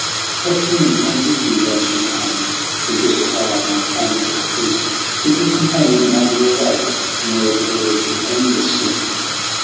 What dream came with you that you came To this dim shore on foam wet feet ? Did your companion wander away From where the birds of Aengus wing?"